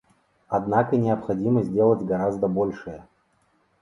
Однако необходимо сделать гораздо большее.